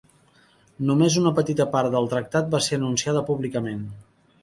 Només una petita part del tractat va ser anunciada públicament.